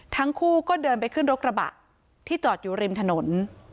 ทั้งคู่ก็เดินไปขึ้นรถกระบะที่จอดอยู่ริมถนน